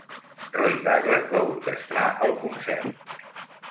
Roy Douglas va orquestrar el concert.